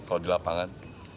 kalau di lapangan